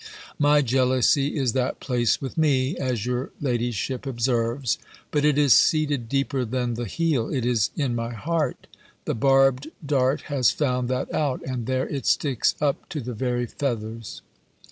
My jealousy is that place with me, as your ladyship observes; but it is seated deeper than the heel: it is in my heart. The barbed dart has found that out, and there it sticks up to the very feathers.